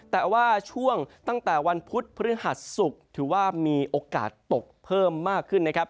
แต่ว่าช่วงตั้งแต่วันพุธพฤหัสศุกร์ถือว่ามีโอกาสตกเพิ่มมากขึ้นนะครับ